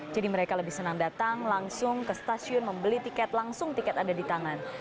jadi mereka lebih senang datang langsung ke stasiun membeli tiket langsung tiket ada di tangan